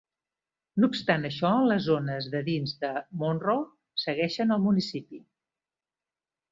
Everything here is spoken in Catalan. No obstant això, les zones de dins de Monroe segueixen al municipi.